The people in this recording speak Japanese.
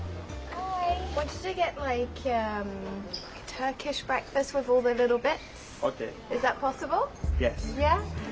はい。